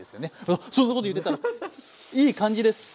うわっそんなこと言ってたらいい感じです。